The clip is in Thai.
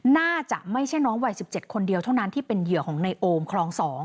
น่าจะไม่ใช่น้องวัย๑๗คนเดียวเท่านั้นที่เป็นเหยื่อของในโอมคลอง๒